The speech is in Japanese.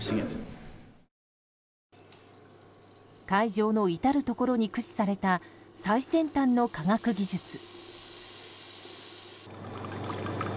会場の至るところに駆使された最先端の科学技術。